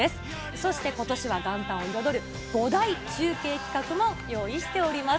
そして今年は元旦を彩る５大中継企画も用意しております。